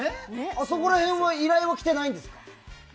あそこら辺の依頼は来ていないんですか？